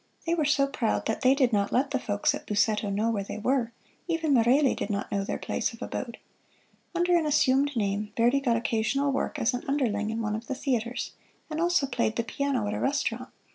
They were so proud that they did not let the folks at Busseto know where they were: even Merelli did not know their place of abode. Under an assumed name Verdi got occasional work as an underling in one of the theaters, and also played the piano at a restaurant.